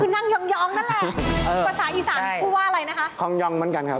นั่งหัวโด่นั่งงง